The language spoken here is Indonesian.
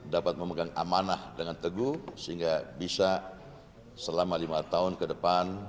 dapat memegang amanah dengan teguh sehingga bisa selama lima tahun ke depan